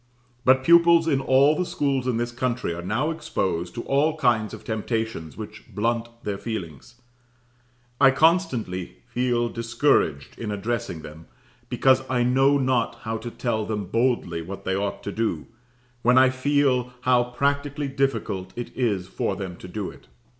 But pupils in all the schools in this country are now exposed to all kinds of temptations which blunt their feelings. I constantly feel discouraged in addressing them because I know not how to tell them boldly what they ought to do, when I feel how practically difficult it is for them to do it.